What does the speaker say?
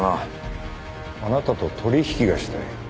あなたと取引がしたい。